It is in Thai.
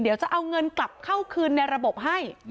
เดี๋ยวจะเอาเงินกลับเข้าคืนในระบบให้